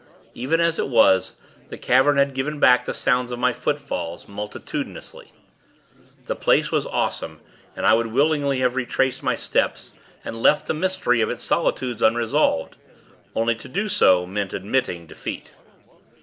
Even as it was, the cavern had given back the sounds of my footfalls, multitudinously. The place was awesome, and I would willingly have retraced my steps, and left the mysteries of its solitudes unsolved; only, to do so, meant admitting defeat.